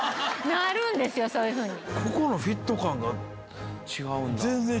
なるんですよそういうふうに。